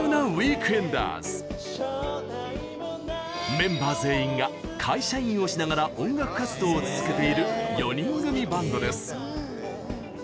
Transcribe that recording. メンバー全員が会社員をしながら音楽活動を続けている４人組バンドです。